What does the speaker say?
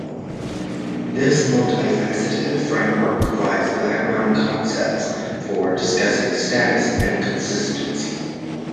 This multifaceted framework provides the background concepts for discussing status inconsistency.